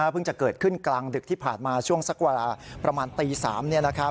จะเกิดขึ้นกลางดึกที่ผ่านมาช่วงสักเวลาประมาณตี๓